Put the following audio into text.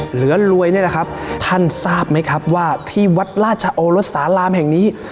เหลือรวยนี่แหละครับท่านทราบไหมครับว่าที่วัดราชโอรสสารามแห่งนี้